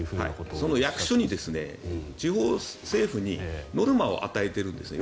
その役所に地方政府にノルマを与えているんですね。